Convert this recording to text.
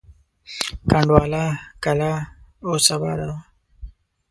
کنډواله کلا اوس اباده وه.